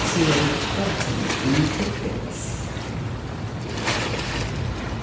C. H. GRATTAN, in Tit Bits.